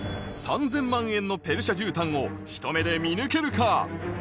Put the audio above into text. ３０００万円のペルシャ絨毯をひと目で見抜けるか？